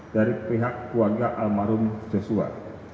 dari pihak keluarga almarhum joshua